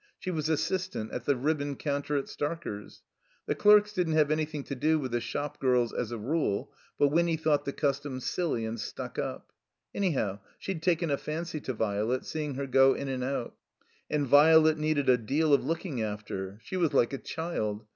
She was assistant at the ribbon coimter at Starker's. The clerks didn't have anything to do with the shop girls as a rule: but Winny thought the custom silly and stuck up. Anyhow, die'd taken a fancy to Violet, seeing her go in and out. And Violet needed a deal of looking after. She was like a child.